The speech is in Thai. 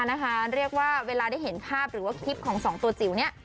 เรียกว่าเวลาได้เห็นภาพหรือว่าคลิปของสองตัวจิ๋วเนี่ย